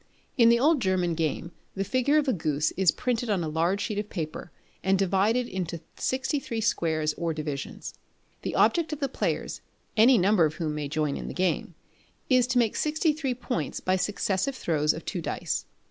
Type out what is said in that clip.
In the old German game the figure of a goose is printed on a large sheet of paper, and divided into 63 squares or divisions. The object of the players, any number of whom may join in the game is to make 63 points by successive throws of two dice.